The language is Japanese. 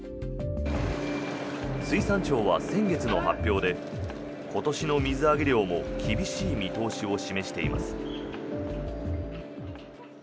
水産庁は先月の発表で今年の水揚げ量も厳しい見通しを示しています。